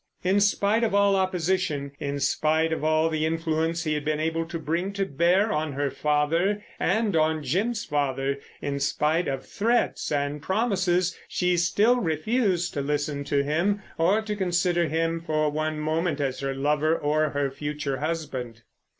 In spite of all opposition, in spite of all the influence he had been able to bring to bear on her father and on Jim's father; in spite of threats and promises she still refused to listen to him or to consider him for one moment as her lover or her future husband.